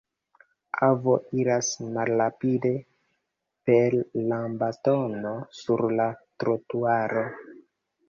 Avo iras malrapide per lambastono sur la trotuaro.